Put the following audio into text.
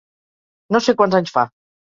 No sé quants anys fa.